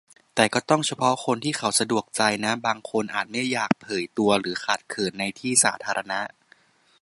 แต่ก็ต้องเฉพาะคนที่เขาสะดวกใจนะ บางคนอาจไม่อยากเผยตัว หรือขัดเขินในที่สาธารณะ